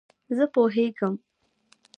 زه پوهېږم !